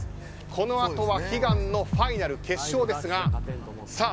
この後は悲願のファイナル決勝ですがさあ